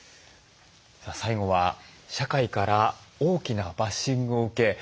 最後は社会から大きなバッシングを受け